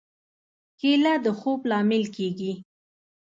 کېله د خوب لامل کېږي.